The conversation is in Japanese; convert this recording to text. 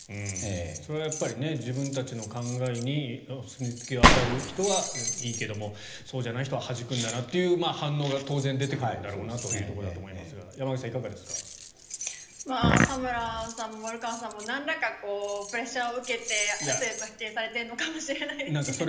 それはやっぱり自分たちの考えにお墨付きを与える人はいいけれどもそうじゃない人ははじくんだなという反応は当然出てくるんだろうなというところだと思いますが田村さんも丸川さんもなんらかプレッシャーを受けて否定されてるのかも。